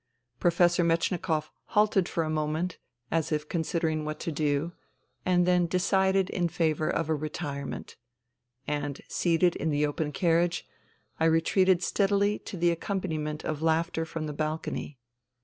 Pro fessor Metchnikoff halted for a moment, as if con sidering what to do, and then decided in favour of a retirement. And, seated in the open carriage, I retreated steadily to the accompaniment of laughter from the balcony.